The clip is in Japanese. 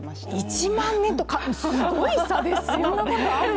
１万年とか、すごい差ですよね。